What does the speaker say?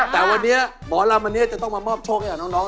แต่วันนี้หมอลำอันนี้จะต้องมามอบโชคให้กับน้อง